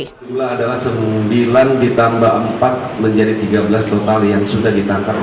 yang kedua adalah sembilan ditambah empat menjadi tiga belas total yang sudah ditangkap